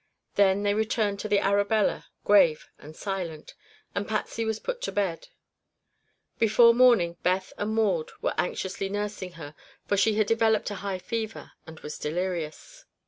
Then they returned to the Arabella, grave and silent, and Patsy was put to bed. Before morning Beth and Maud were anxiously nursing her, for she had developed a high fever and was delirious.